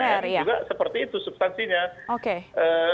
jadi soal konten parlement juga seperti itu substansinya oke